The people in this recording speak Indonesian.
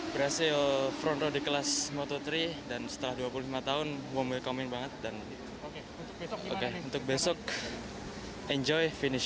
brazil frontrode kelas moto tiga dan setelah dua puluh lima tahun bonggek komen banget dan untuk besok enjoy finish